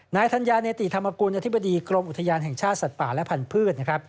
ธัญญาเนติธรรมกุลอธิบดีกรมอุทยานแห่งชาติสัตว์ป่าและพันธุ์นะครับ